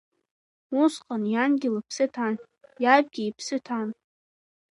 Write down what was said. Усҟан иангьы лыԥсы ҭан, иабгьы иԥсы ҭан.